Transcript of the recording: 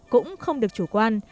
cũng không được chủ quan